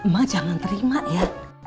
mak jangan terima ya